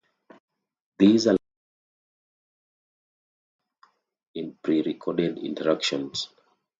This allowed the two to engage in pre-recorded interactions.